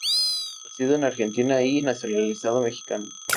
Nacido en Argentina y nacionalizado mexicano.